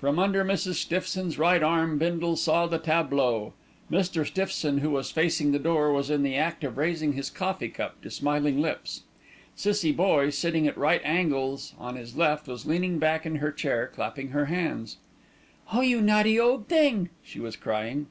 From under Mrs. Stiffson's right arm Bindle saw the tableau. Mr. Stiffson, who was facing the door, was in the act of raising his coffee cup to smiling lips. Cissie Boye, sitting at right angles on his left, was leaning back in her chair clapping her hands. "Oh, you naughty old thing!" she was crying.